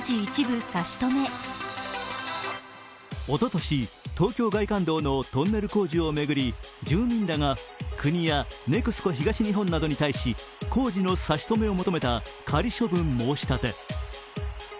おととし、東京外環道のトンネル工事を巡り住民らが国やＮＥＸＣＯ東日本などに対し工事の差し止めを求めた仮処分申し立て。